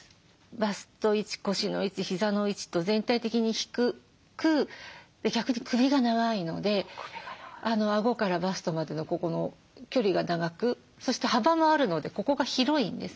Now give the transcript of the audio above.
バスト位置腰の位置膝の位置と全体的に低く逆に首が長いのであごからバストまでのここの距離が長くそして幅もあるのでここが広いんですね。